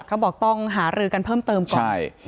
เขาบอกต้องหารือกันเพิ่มเติมก่อน